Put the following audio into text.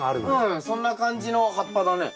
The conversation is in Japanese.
うんそんな感じの葉っぱだね。